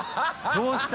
どうした？